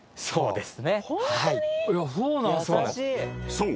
［そう。